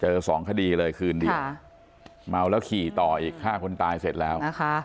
สองคดีเลยคืนเดียวเมาแล้วขี่ต่ออีกฆ่าคนตายเสร็จแล้วนะคะ